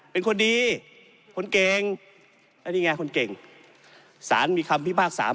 เป็นคนดีคนเก่งอันนี้ไงคนเก่งสารมีคำพิพากษา